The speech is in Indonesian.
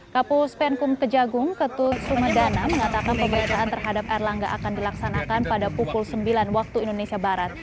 kapus penkum kejagung ketut sumedana mengatakan pemeriksaan terhadap erlangga akan dilaksanakan pada pukul sembilan waktu indonesia barat